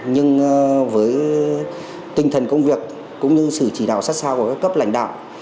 nhưng với tinh thần công việc cũng như sự chỉ đạo sát sao của các cấp lãnh đạo